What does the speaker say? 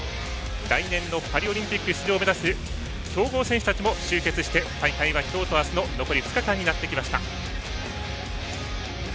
来年のパリオリンピック出場を目指す強豪選手たちも集結して大会は今日と明日残り２日間になってきました。